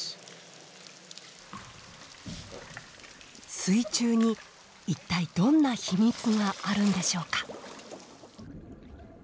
水中に一体どんな秘密があるんでしょうか？